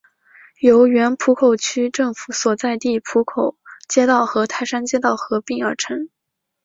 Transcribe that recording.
由原浦口区政府所在地浦口街道和泰山街道合并而成。